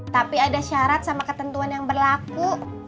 tapi ada syarat sama ketentuan yang berlaku